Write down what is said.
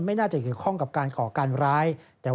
ไม่น่าจะเกี่ยวข้องกับการก่อการร้าย